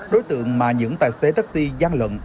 đối tượng mà những tài xế taxi gian lợn